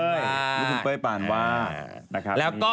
ลูกของเป้ยปานวัด